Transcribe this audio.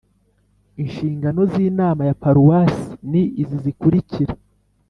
Inshingano z inama ya paruwasi ni izi zikurikira